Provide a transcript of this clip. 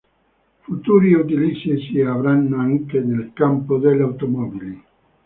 Futuri utilizzi si avranno anche nel campo delle automobili.